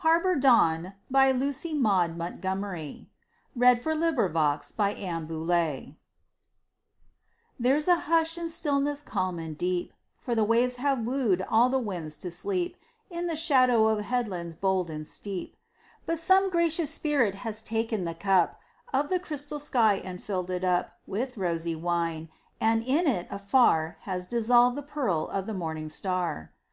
Quote Next Poem 26 / 97 Previous Poem Harbor Dawn Rating: ★2.8 Autoplay There's a hush and stillness calm and deep, For the waves have wooed all the winds to sleep In the shadow of headlands bold and steep; But some gracious spirit has taken the cup Of the crystal sky and filled it up With rosy wine, and in it afar Has dissolved the pearl of the morning star.